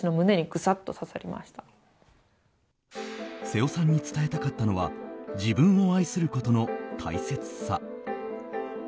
瀬尾さんに伝えたかったのは自分を愛することの大切さ。